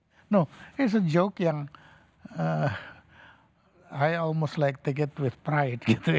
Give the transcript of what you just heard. ini adalah jenaka yang saya hampir suka ambil dengan kebencian gitu ya